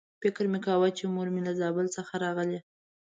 فکر مې کاوه چې مور مې له زابل څخه راغلې.